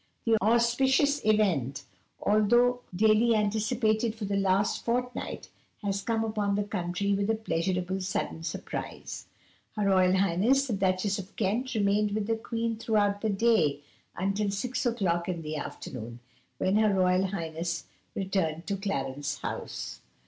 The auspicious event, although daily anticipated for the last fortnight, has come upon the country with a pleasurable sudden surprise. Her Royal Highness the Duchess of Kent remained with the Queen throughout the day until six o'clock in the afternoon, when Her Royal Highness returned to Clarence House.